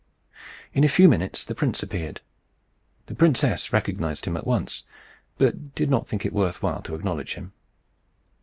In a few minutes the prince appeared. The princess recognized him at once, but did not think it worth while to acknowledge him.